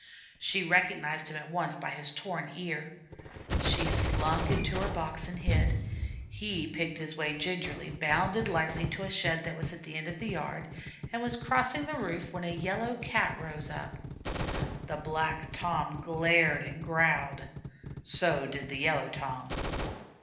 She recognized him at once by his torn ear. She slunk into her box and hid. He picked his way gingerly, bounded lightly to a shed that was at the end of the yard, and was crossing the roof when a Yellow Cat rose up. The Black Torn glared and growled, so did the Yellow Tom.